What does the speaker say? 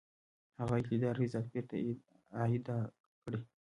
هغه اقتدار او عزت بیرته اعاده کړي.